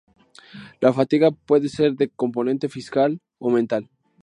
La fatiga puede ser de componente física o mental.